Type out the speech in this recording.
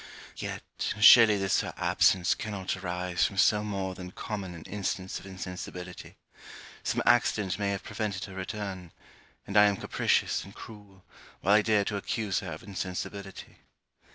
Yet, surely this her absence cannot arise from so more than common an instance of insensibility; some accident may have prevented her return; and I am capricious and cruel, while I dare to accuse her of insensibility.